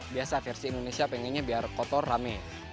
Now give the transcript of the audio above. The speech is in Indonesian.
biasa versi indonesia pengennya biar kotor rame